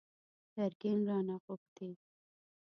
ګرګين رانه غوښتي!